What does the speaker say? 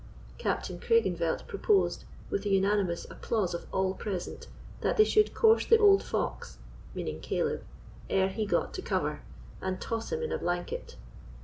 Captain Craigengelt proposed, with the unanimous applause of all present, that they should course the old fox (meaning Caleb) ere he got to cover, and toss him in a blanket.